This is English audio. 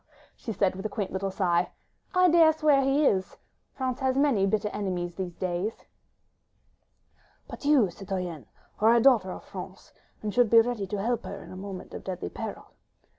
." she said, with a quaint little sigh, "I dare swear he is. ... France has many bitter enemies these days." "But you, citoyenne, are a daughter of France, and should be ready to help her in a moment of deadly peril."